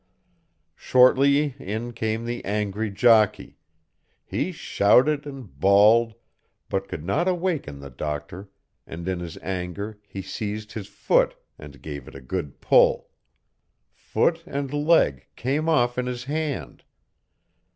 Shortly in came the angry jockey; he shouted and bawled, but could not awaken the doctor, and in his anger he seized his foot and gave it a good pull. Foot and leg came off in his hand.